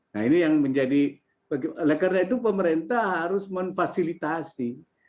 nah ini yang menjadi oleh karena itu pemerintah harus memfasilitasi